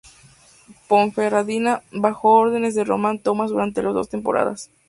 Ponferradina, bajo órdenes de Román Tomas durante las dos temporadas.